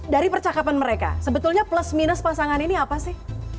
dari percakapan mereka sebetulnya plus minus pasangan ini apa sih